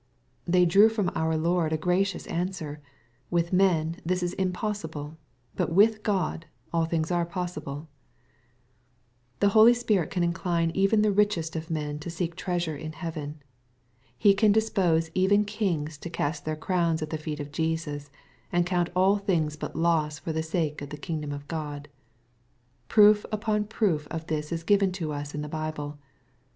They drew from our Lord a gracious answer, "With men this is impossible : but with God all things are possible/' The Holy Ghost can iacline even the richest of men to seek treasure in heaven. He can dispose even kings to cast their crowns at the feet of Jesus, and count all things but loss for the sake of the kingdom of God, Proof upon proof of this is given to us in the Bible.